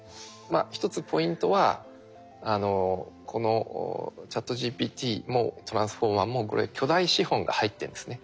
一つポイントはこのＣｈａｔＧＰＴもＴｒａｎｓｆｏｒｍｅｒもこれ巨大資本が入ってるんですね。